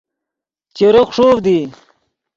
چیرے خݰوڤد ای